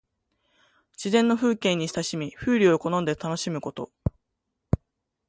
自然の風景に親しみ、風流を好んで楽しむこと。